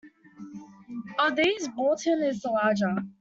Of these, Bourton is the larger.